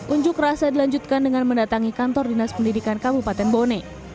unjuk rasa dilanjutkan dengan mendatangi kantor dinas pendidikan kabupaten bone